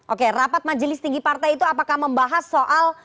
oke rapat majelis tinggi partai itu apakah membahas soal